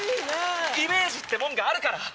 イメージってもんがあるから。